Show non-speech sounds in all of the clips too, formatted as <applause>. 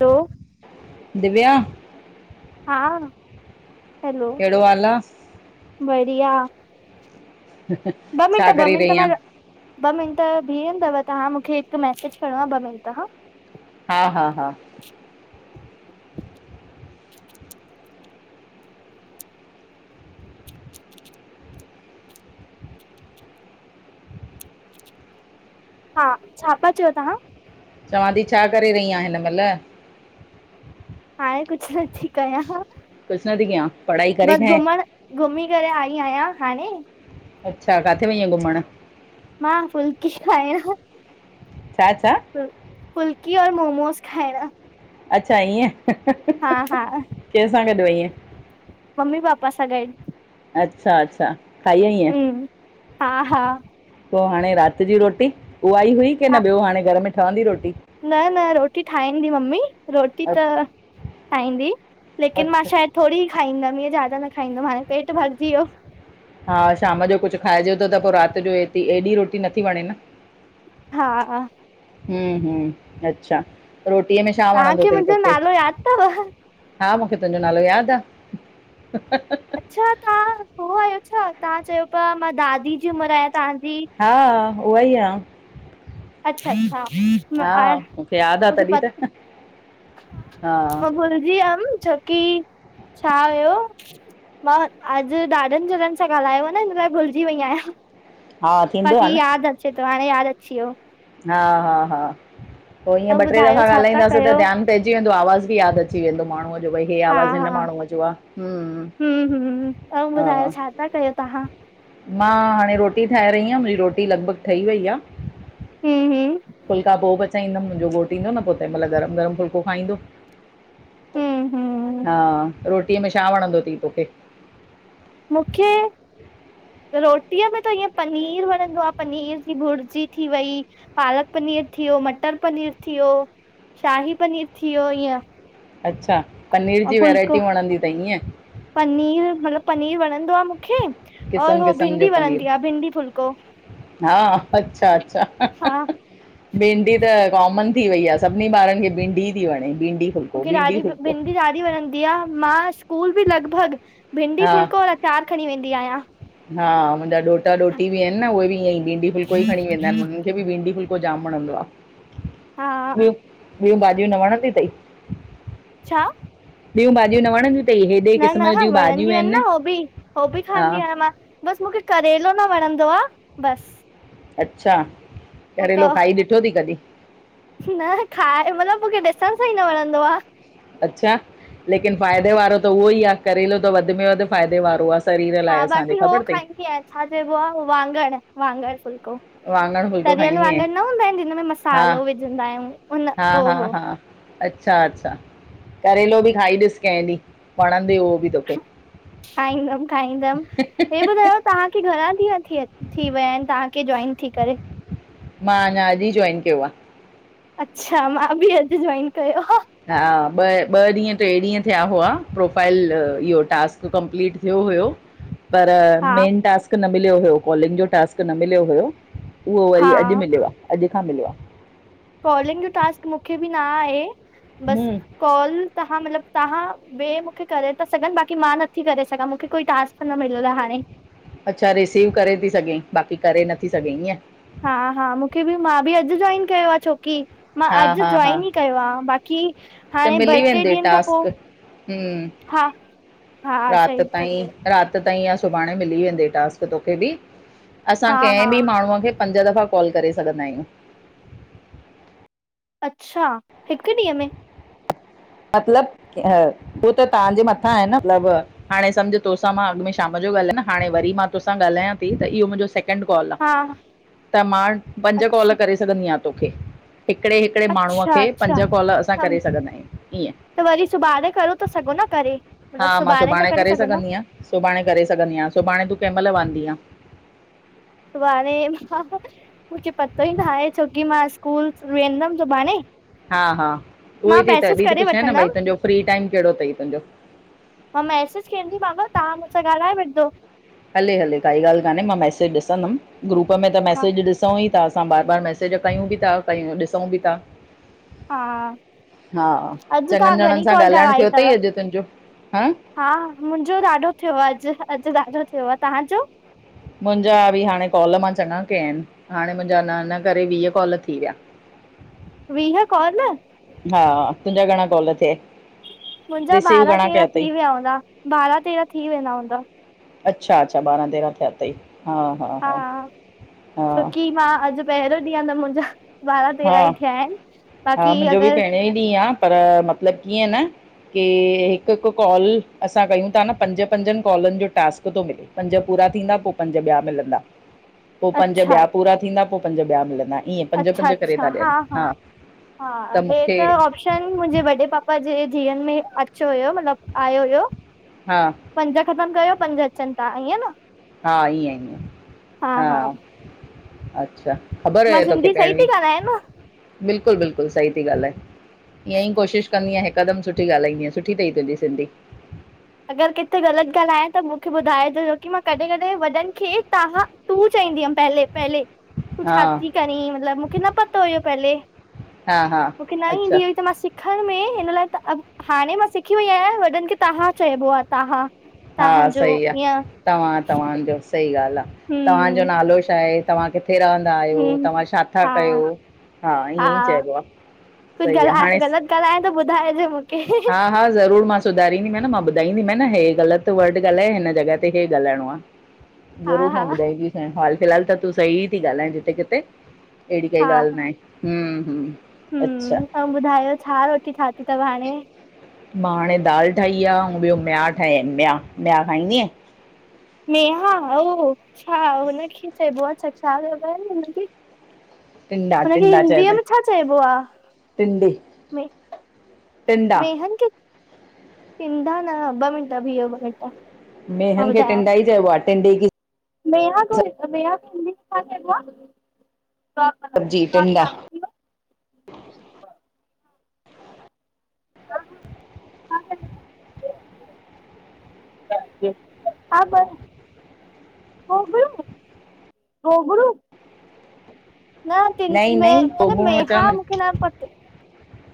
तो - - दिव्या - - हा हलो कहिडो हालु आ? बढ़िया, ॿ मिंट छा ॿ करे मिंट रही आं? मां ॿ मिंट बीहेंदव ताहां मूंखे हिकु मैसेज खणणो आ ॿ मिंट हा। हा हा हा हा, छा पा चयो ताहां? चवां ती छा करे रही आ हिन महिल। हाणे कुझु नथी कयां। कुझु न थी कयां, पढ़ाई करेे बसि खे। घुमण घुमी करे आई आहियां हाणे। अच्छा काथे वईअ घुमण? मां फुल्की खायण। छा छा फ फुल्की और मोमोस खाइण। अच्छा इएं, हा हा कंहिंसां गॾु वईंये? मम्मी पापा सां गॾु। अच्छा अच्छा खाई आईंयें? हम्म हा हा पो हाणे राति जी रोटी, उहा ई हुई की हा न ॿियो हाणे घर में ठवंदी रोटी? न न रोटी ठाहींदी मम्मी, रोटी अ त ठाहींदी। लेकिन मां अच्छा शायद थोडी ही खाईंदम इअं ज्यादा न खाईंदम हाणे पेट भरिजी वियो। हा शाम जो कुझु खाइजे तो त पो राति जो एती एॾी रोटी नथी वणे न। हा हूं हूं अच्छा रोटीअ में छा वणंदो तव्हांखे तई मुंहिंजो तोखे? नालो यादि अथव? हा मूंखे तुंहिंजो नालो याद आ। अच्छा तां उहो आहियो छा, तां चयो पिया मां दादी जी उमिर आहियां तांहजी। हा, उहा ई आ। अच्छा अच्छा ऐं हा यादि आ मूंखे तॾहिं पतो त हा मां भुलजी वयम, छोकी छा हुयो मां अॼु ॾाढन ॼणन सां ॻाल्हायो आ न, हिन लाइ भुलजी वई आहियां। हा थींदो आ बाक़ी न याद अचे तो, हाणे यादि अची वियो। हा हा हा पो इएं ऐं ॿ टे दफ़ा ॿुधायो छा था ॻाल्हाईंदासी त कयो? ध्यान - - पइजी वेंदो, आवाज़ु बि याद अची वेंदो माण्हूअ जो भाई हे हा आवाज़ हिन हा माण्हूअ जो आ, हूंम, हम्म हम्म ऐं ॿुधायो हा। छा था कयो तव्हां? मां हाणे रोटी ठाहे रही आहियां मुंहिंजी रोटी लॻभॻ ठही वई आ। हे हे फुल्का पो पचाईंदम, मुंहिंजो घोट ईंदो न पो तंहिं महिल गरम गरम फुल्को खाईंदो। हम्म हम्म हा रोटीअ में छा वणंदो तई तोखे? मूंखे रोटीअ में त ईय पनीर वणंदो आ, पनीर जी भुर्जी थी वई। पालक पनीर थी वियो, मटर पनीर थी वियो, शाही पनीर थी वियो ईय। अच्छा पनीर जी वैराइटियूं वणंदी तई ईय। पनीर, मतिलबु पनीर वणंदो आ मूंखे और क़िस्म हो क़िस्म जो भिंडी पनीर वणंदी आ भिंडी फुल्को। हा, अच्छा अच्छा हा। भिंडी त कॉमन थी वई आ सभिनी ॿारनि खे भिंडी ती वणे, भिंडी फुलको, भिंडी फुलको। ी वणंदी आहे मां स्कूल बि लॻभॻि भिंडी हा फुलको अचार खणी वेंदी आहियां। हा मुंहिंजा ॾोटा ॾोटी बि आहिन न उहे बि ईअं ई भींंडी फुलको ई खणी वेंदा आहिन। मूंखे बि भिडी फुलको जाम वणंदो आ हा, ॿियो ॿियूं भाॼियूं न वणंदी थई। छा ॿियूं भाॼिय न वणंदूं? न न वणंदी आहिन न हो बि हो बि हा खांदी आहियां मां। बस मूंखे करेलो न वणंदो आहे बस। अच्छा करेेलो खाई ॾिठोथई कॾहिं? न खाए मतलब मूंखे ॾिसण सां ई न वणंदो आ। अच्छा लेकिन फ़ाइदे वारो त उहो ई आहे करेलो त वधि में वधि फ़ाइदे वारो आ। शरीर लाइ हा असांजे बाक़ी हो ख़बर थई। खाईंदी आहियां छा चइबो आहे वांङण वांङण फुलको। वाङण फुल्को तरियल खाईंदी आहियां वांगुर न हूंदा आहिन जिनम में हा मसालो विझंदा आहियूं उन हा हो हा हो। हा अच्छा अच्छा करेलो बि खाई ॾिस कंहिं ॾींह वणंदे उहो बि तोखे। खाईंदम खाईंदम हे ॿुधायो तव्हांखे घणा ॾींहं थी थी विया आहिन तव्हांखे जॉइन थी करे। मां अञा अॼ ई जाइन कयो आ। अच्छा मां बि अॼु जाइन कयो आ। हा ॿ ॿ ॾींहं टे ॾींहं थिया हुआ प्रोफाइल इहो टास्क कंप्लीट थियो हुयो। पर हा मेन टास्क न मिलियो हु कॉलिंग जो टास्क न मिलियो हुयो उहो वरी अॼु हा मिलियो आहे अॼु खां मिलियो आ कॉलिंग जो टास्क मूंखे बि न आहे आहे बस हम्म कॉल तव्हां मतलब तव्हां ॿिए मूंखे करे था सघनि बाक़ी मां नथी करे सघां मूंखे कोई टांसक न मिलंयल आ हाणे। अच्छा रिसीव करे थी सघे बाक़ी करे नथी सघे ईअं हा हा मूंखे बि मां बि अॼु जॉइन कयो आ छोकी मां हा अॼु हा हा जाइन ई कयो आ बाक़ी हाणे ॿ टे ॾींहंनि खां पोइ हिम्म हा हा रात सही था ताईं चयो रात ताईं या सुभाणे मिली वेंद टास्क तोखे बि असां हा हा कंहिं बि माण्हूअ खे पंज दफ़ा कॉल करे सघंदा आहियूं। अच्छा हिक ॾींहं में मतलब हू त तव्हांजे मथां आ न मतलब हाणे सम्झ तोसां मां अॻ में शाम जो ॻाल्हायाए न हाणे वरी मां तोसां ॻाल्हायां थी त इहो मुंहिंजो ड कॉल आ हा त मां पंज कॉल अच्छा करे सघंदी आहियां तोखे हिकिड़े हिकिड़े माण्हूअ अच्छा खे पंज अच्छा कॉल असां सम करे सघंदा आहियूं। ईअं त वरी सुभाणे कर ता सघो न करे हा मतलब मां सुभाणे ता करे सघो न सघंदी सुभाणे करे सघंदी आ सुभाणे तूं कंहिं महिल वांदी आ सुभाणे मां मूंखे पतो ई न आहे छोकी मां स्कूल वेंदमि सुभाणे हा हा उहो ई मां अ थी मैसेज तॾी करे पुछ ईन भई वठंदमि तुंहिंजो फ्री टाइम कहिड़ो थई तुंहिंजो मां मैसिज कंदीमांव तव्हां मूंखां ॻाल्हाए वठिं जो। हले हले काई ॻाल्ह कान्हे मां मैसेज ॾिसदम ग्रुप में त हा मसेज ॾिसूं ई था असां बार बार मैसेज कयूं बि था कयूं ॾिसूं बि था हा हा अॼु चॻन तव्हां ॼणनि घणी सां कॉल ॻाल्हाइण कराई थियो अथव? थई अॼु तुंहिंजो हां हा मुंहिंजो ॾाढो थियो आ अॼु अॼु ॾाढो थियो आ तव्हांजो मुंहिंजा बि हाणे कॉल मां चङा कया आहिन हाणे मुंहिंजा न न करे वीह कॉल थी विया। वीह कॉर्न हा, तुंजा घणां कॉल थियए? मुंजा ॿारहां तेरहां थी विया हुंदा, बारहां तेरहां थी वेंदा हुंदा। अच्छा- अच्छा, ॿारहां तेरहां थिया तई। हा, हा छोकी मां अॼु पहिरों ॾींहिं आ त मुंहिंजा ॿारहां तेरहां ई थिया हिन, बाक़ी अगर ॾहें ॾींह आ पर मतिलब कीअं न कि हिकु- हिकु कॉल असां कयूं ता न पंज पंजन कॉलन जो टास्क पो तो मिले पंज पूरा थींदा, पो पंज ॿिया मिलंदा। पो पंज अच्छा ॿिया पूरा थींदा, पो पंज ॿिया मिलंदा ईअं पंज- अच्छा पंज करे अच्छा था हा ॾियनि -हा- हा, हे त आप्शन मुंहिंजे वॾे पापा जे धीयन में अचो हुयो, मतलब आयो हुयो हा। पंज ख़तम कयो पंज अचन ता, ईअं न। हा ईंअं ईंयं हा अच्छा ख़बर मां हुयए तोखे सिंधी सही पेणवी थी ॻाल्हायां न बिल्कुल- बिल्कुल सही ती ॻाल्हाए, ईअंई कोशिश कंदी हिंयं हिक् हिकदम सुठी ॻालाईंदींय सुठी तई तुंजी सिंधी। अगरि किथे ग़लति ॻाल्हायां त मुंखे ॿुधाइजो, छोकी मां कॾहिं -कॾहिं वॾनि खे तव्हां तूं चईंदी हम पहिले- पहिले, तुं हा छा ती करी मतलबु मुखे न पतो हुयो पहले हा हा मुखे न अच्छा ईंदी हुई त मां सिख खंण में हिन लाए त, हाणें मां सिखी वई आहियां वॾनि खे तहां चइबो आ तहां हा सही आ, तव्हां, तव्हांजो सही ॻाल्हि आ हम्म तव्हांजो नालो छा हे, तव्हां किथे रहंदा - आहियो, तव्हां हम्म छा था हा कयो, हा ईअं ई हा चइबो आ, सही आ हाणे सि ॻाल्हाएं त ॿुधाइजो मुखे। हा ज़रूर मां सुधारींदी मै न मां ॿुधाईंदी मैं न, हे ग़लति वर्ड ॻाल्हायए हिन जॻह ते हे ॻालाइणो आ। हा ज़रूर मां हा ॿुधाई दी संए, हाल फिलहाल त तूं सही ती ॻाल्हाए जिथे किथे। ऐड़ी काई ॻाल्हि ना हे हुम्म -हुम्म हुम्म अऊं, ॿुधायो छा रोटी ठाती तव हाणें? मां हाणे दाल ठाही आ, ऐं ॿियो मिया ठाहिया मियाआ, मियाआ खाईंदी आईं? मेहा ओ छा हुनखे चइबो आ छा छा चएबो आ हुनखे? टिंडा हुनखे टिंडा हिंदीअ चइबा में आहिनि छा चइबो आ, टिंडे में टिंडा मेहन खे, टिंडा न ॿ मिंट बीह्यो ॿ मिंट मेहन खे ॿुधायां टिंडा ई चेम्बो आ टिंडे की मेहा को मेहा सिंधी में छा चइबो आ सब्जी टिंडा हा <unintelligible> <inaudible> हा <inaudible> गोगड़ू, गोगड़ू न टिंड, नई नई में पोगुण मेहा अचनि मुखे न पतो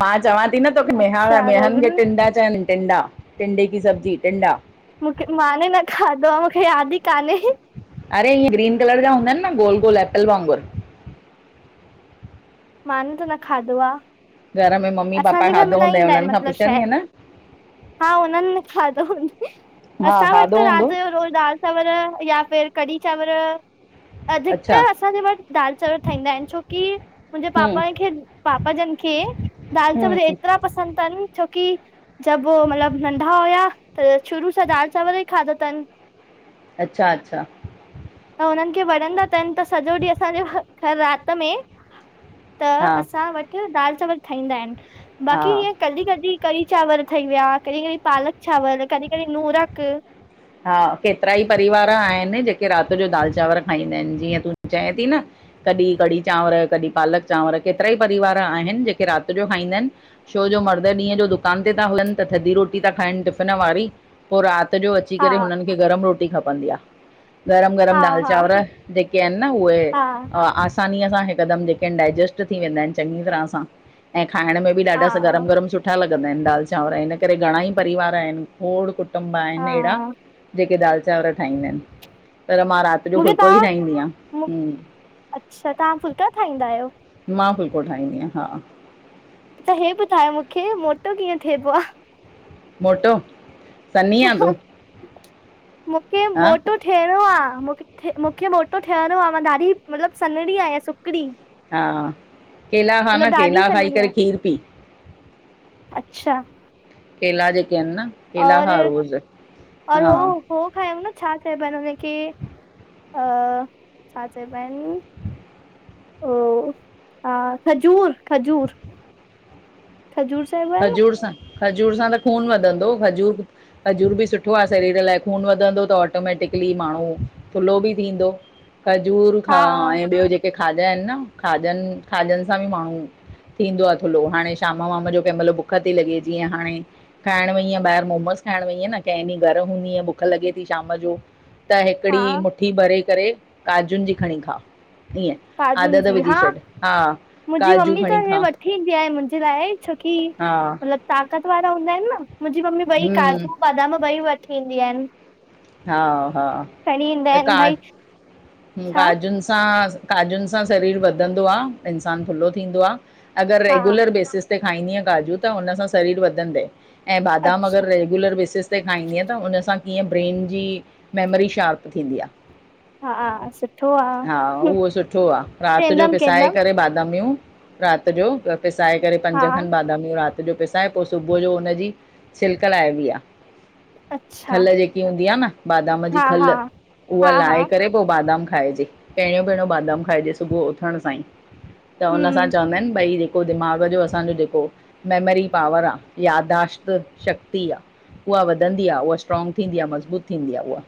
मां चवां ती न तोखे मेहा, अच्छा मेहन खे गोगड़ू टिंडा चैन टिंडा, टिंडे की सब्जी, टिंडा मूंखे माने न खाधो आह मूंखे याद ही कान्हे अरे इअं ग्रीन कलर जा हूंदा आहिनि न गोल -गोल एपल आंगुरु माने त न खाधो आह घर में मम्मी पापा असांजे घर में खाधो न हूंदई ईंदा आहिनि हुननि खां मतलब पुछंदीअ शायद न हा हुनने खाधो हुयूं हा असां वटि खाधो त हूंदो रात जो रोज दाल चांवर या फिर कढ़ी चांवर अच्छा अधिकतर असांजे वट दाल चांवर ठाहींदा आहिनि छो की मुंहिंजे हम्म पापा खे पापा जनि खे, दाल हम्म चांवर एतिरा पसंदि तनि छोकी जब मतिलबु नंढा हुया, त शुरू सां दाल चांवर ई खाधा तन। अच्छा-अच्छा! त हुननि खे वणंदा तन त सॼो ॾींहुं असांजे घर रात में त हा असां वटि दाल चांवल ठहींदा आहिनि बाक़ी हा ईएं कॾि-कॾि कढ़ी चांवर ठही विया, कॾि-कॾि पालक चांवर, कॾि-कॾि नूरक। हा केतिरा ई परिवार आहिनि जेके राति जो दाल चांवर खाईंदा आहिनि। जीअं तूं चए ती न। कॾि कढी चांवर, कॾि पालक चांवर केतिरा ई परिवार आहिनि जेके रात जो खाईंदा आहिनि। छोजो मर्द ॾींहं जो दुकान ते था हलनि, त थधी रोटी था खाइनि टिफ़िन वारी। पोइ राति जो अची हा करे हुननि खे गरम रोटी खपंदी आ। हा गरम-गरम दाल हा चांवर, जेके आहिनि न उहे हा आस आसानिअ सां हिकदमि जेके डायजेस्ट थी वेंदा आहिनि चंॻी तराह सां ऐं खाअण में की हा ॾाढा सा गरम-गरम सुठा लगंदा आहिनि दाल चांवर, हिन करे घणा ई परिवार आहिनि खोड़ कु कुटुम्ब आहिनि ऐंड़ा। हा जेके दाल चांवर ठाहींदा आहिनि, पर मां राति जो मूंखे फुल्को ई तव्हां ठाहींदी मु- आहियां। अच्छा, तव्हां फुल्का खाहींदा आहियो? मां फुल्को ठाहींदी आहियां हा। त हे ॿुधायो मूंखे मोटो कीअं थेबो आ? मोटो सन्ही आहे हा-हा तूं मूंखे हा मोटो थियणो आ, मूंखे मोटो थियणो आ, मां दाढी मतिलबु सन्हड़ी आहिया सुकिड़ी। हा केला खा न, केला खाई सन्हड़ी करे आहियां खीरु पी। अच्छा। केला जेके आहिनि न, केला और खा रोज, और हा। हो हो खायऊ न छा चयबो आ हुनखे़ की अ छा चयेबानि? ओ हा खजूर, खजूर, खजूर चइबो आहे न खजूर सां, खजूर सां त खून वधंदो। खजूर खजूर बि सुठो आ शरीरु लाइ, खून वधंदो त ऑटोमैटिकली माण्हू थुल्हो बि थींदो, खजूर खा हा ऐं ॿियो जेक जेके खाॼा आहिनि न, खाॼनि, खाॼनि सां बि माण्हू थींदो आ थुल्लो हाणे शाम-वाम जो कंहिं महिल भूख थी लॻे जीअं हाणे खाइण वईअ ॿाहिर मोमोस खाइण वईय न, कंहिं ॾींहुं घर हूंदी आ भूख लॻे थी शाम जो त हा हिकिड़ी मुठी भरे करे काजूनि जी खणी खा। ईअं काजुनि आदत जी विझी हा छॾ, हा काजू खणी खा। ठीकु जे आहे मुंहिंजे लाइ। छोकी हा मतिलबु ताक़त वारा हूंदा आहिनि न, मुंहिंजी मम्मी ॿई हम्म काजू बादाम ॿई व थींदी आहिनि। हा-हा खणी ईंदा अ आहिनि का भई छा काजूनि सां काजुन सां शरीर वधंदो आ, इंसान थुलो थींदो आ, अॻर हा रेगुलर बेसिस खाईंदियं काजू त हुनसा शरीर वदंदय, ऐं बादाम अॻर अच्छा रेग रेगुलर बेसेस ते खाईंदियं त, उन सां कीअं ब्रेन जी मैमरी शार्प थींदी आ। हा सुठो हा आहे उहो सुठो आ, रात जो केंदम पिसाए केंदम करे बादामियूं रात जो पिसाए करे पंज हा खन बादामियूं रात ॼो पिसाए पो सुबूह जो हुनजी, छिलका लाइबी आ। अच्छा हूंदी आ न बादाम जी हा खल, हा उहा हा हा लाहे करे पो बादाम खाइजे, पहिरियों पहिरियों बादाम खाइजे सुबूह जो उथण सां ई। त हुन हम सां चवंदा आहिन ॿई ॾे पो दिमाग़ जो असांजो जेको, मैमरी पावर आ, याददाश्त शक्ति आ। उहा वधंदी आ उहा स्ट्रॉग थींदी आ मज़बूत थींदी आ उहा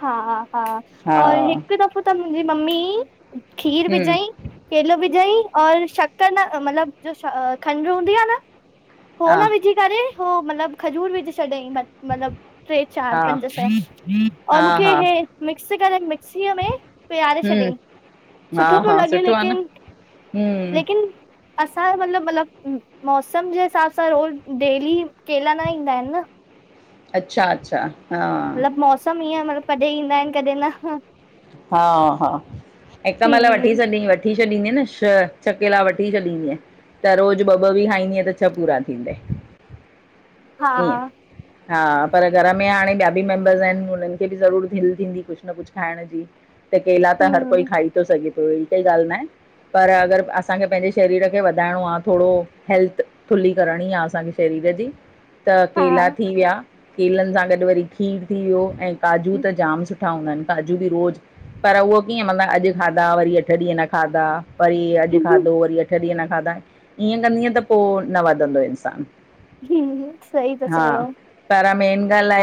हा हा हा हा और हिक दफ़ो त मुंहिंजी मम्मी खीर हम्म विझई केलो विझई और शक्कर न मतलब जो खंड हूंदी आ न हो हा न विझी करे हू मतलब खजूर विझी छॾईं मतलब टे चार हा पंज सै और हा मुंखे हा हे मिक्स करे मिक्सीअ में पीआरे हम्म छॾियई हा सुठो पियो हा लॻे सुठो आ न लेकिन हम्म लेकिन असां मतलब मतलब मौसम जे हिसाब सां रोज़ डेली केला न ईंदा आहिन न अच्छा अच्छा हा मतलब मौसम ईअं मतलब कॾहिं ईंदा आहिन कॾहिं न हा हा हिक मेल वठी हम्म छॾी वठ वठी छॾींदीअ न छह, छह केला वठी छॾींदीअ त रोज़ ॿ ॿ बि खाईंदीअ त छ पूरा थींदई हा ईअं हा पर घर में हाणे ॿिया बि मेंबर्स आहिन हुनन खे बि ज़रूर दिल थींदी कुछ न कुछ खाइण जी त केला त हर कोई हम्म खाई थो सघे थो अहड़ी काई ॻाल नाहे पर अगर असांखे पंहिंजे शरीर खे वधाइणो आ थोड़ो हैेल्थ थुली करणी आ असांखे शरीर जी त केला हा थी विया, केलन सां गॾु वरी खीर थी वियो ऐं काजू त जाम सुठो सुठा हूंदा आहिनि। काजू बि रोज़ पर उहो कीअं माना अॼु खाधा वरी अठ ॾींहं न खाधा की वरी अॼु खाधो वरी अठ ॾींहं न खाधा ईअं कंदीअ त पो न वधंदो इंसान हा सही था चयो घर में बि गालाए